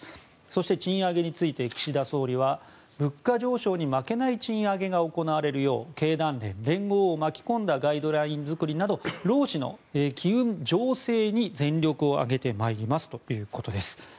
そして、賃上げについて岸田総理は物価上昇に負けない賃上げが行われるよう経団連、連合を巻き込んだガイドライン作りなど労使の機運醸成に全力を挙げてまいりますということです。